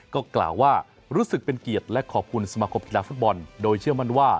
ก็กล่าวว่ารู้สึกเป็นเกียรติและขอบคุณสมาคมกีฬาฟุตบอลโดยเชื่อมั่นว่า